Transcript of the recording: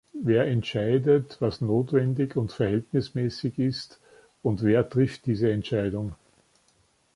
Wer entscheidet, was notwendig und verhältnismäßig ist und wer trifft diese Entscheidung?